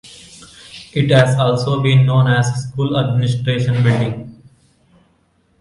It has also been known as School Administration Building.